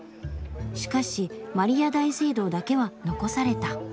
しかしマリア大聖堂だけは残された」。